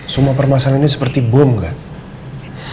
semua permasalahan ini seperti bom kan